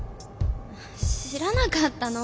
知らなかったの。